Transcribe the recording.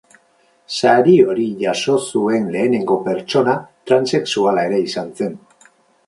Sari hori jaso zuen lehenengo pertsona transexuala ere izan zen.